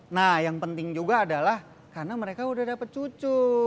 nah yang penting juga adalah karena mereka udah dapat cucu